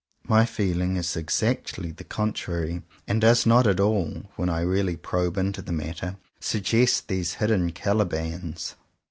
My feeling is exactly the contrary, and does not at all, when I really probe into the matter, suggest these hidden Calibans.